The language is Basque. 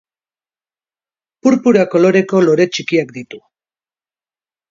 Purpura koloreko lore txikiak ditu.